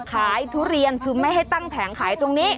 ทุเรียนคือไม่ให้ตั้งแผงขายตรงนี้